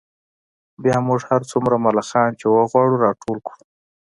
بیا به موږ هر څومره ملخان چې وغواړو راټول کړو